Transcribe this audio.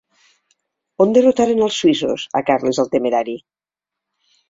On derrotaren els suïssos a Carles el Temerari?